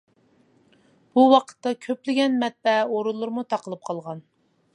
بۇ ۋاقىتتا كۆپلىگەن مەتبەئە ئورۇنلىرىمۇ تاقىلىپ قالغان.